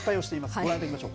ご覧いただきましょう。